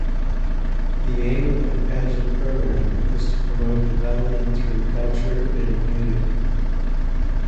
The aim of the pageant program is to promote development through culture and unity.